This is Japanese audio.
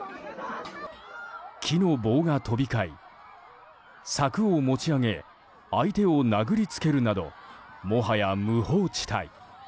木の棒が飛び交い、柵を持ち上げ相手を殴りつけるなどもはや無法地帯。